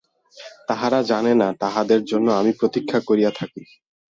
তাহারা জানে না তাহাদের জন্য আমি প্রতীক্ষা করিয়া থাকি।